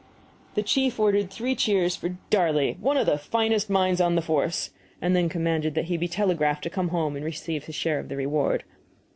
The chief ordered three cheers for "Darley, one of the finest minds on the force," and then commanded that he be telegraphed to come home and receive his share of the reward.